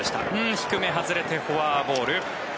低め、外れてフォアボール。